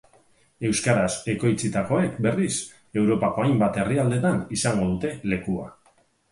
Euskaraz ekoitzitakoek berriz, Europako hainbat herrialdetan izango dute lekua.